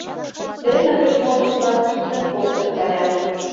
Сцена гыч модшо-влак иктын-коктын каят.